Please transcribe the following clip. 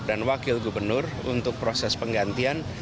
dan wakil gubernur untuk proses penggantian